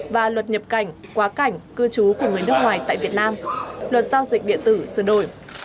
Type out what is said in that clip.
và luật nhập cảnh quá cảnh cư trú của người nước ngoài tại việt nam luật giao dịch điện tử sửa đổi